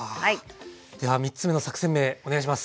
では３つ目の作戦名お願いします。